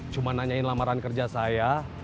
cuma nanyain lamaran kerja saya